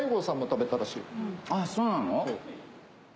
あっそうなの？